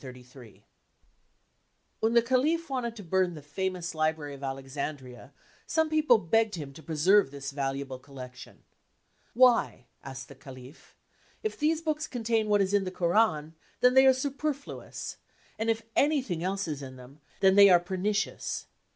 % When the caliph wanted to burn the famous library of Alexandria, some people begged him to preserve this valuable collection. " Why ? 35 asked the caliph. " If these books contain what is in the Koran, then they are superfluous. And if anything else is in them, then they are pernicious.